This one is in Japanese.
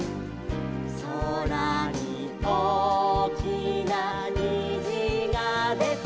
「そらにおおきなにじがでた」